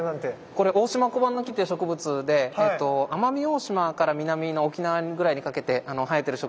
これオオシマコバンノキって植物で奄美大島から南の沖縄ぐらいにかけて生えてる植物です。